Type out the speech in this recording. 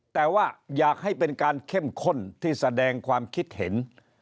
แต่ว่าอยากให้เป็นการเข้มข้นที่แสดงความคิดเห็น